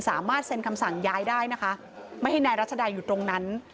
สามารถเซ็นคำสั่งย้ายได้นะคะไม่ให้นายรัชดาอยู่ตรงนั้น